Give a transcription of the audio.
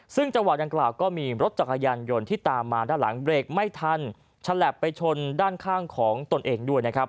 ซึ่งจังหวะดังกล่าวก็มีรถจักรยานยนต์ที่ตามมาด้านหลังเบรกไม่ทันฉลับไปชนด้านข้างของตนเองด้วยนะครับ